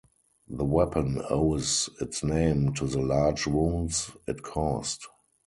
The weapon owes its name to the large wounds it caused.